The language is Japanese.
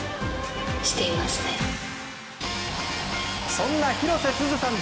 そんな広瀬すずさん